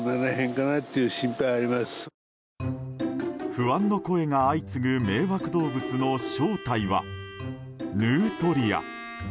不安の声が相次ぐ迷惑動物の正体は、ヌートリア。